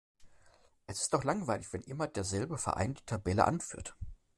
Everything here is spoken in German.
Es ist doch langweilig, wenn immer derselbe Verein die Tabelle anführt.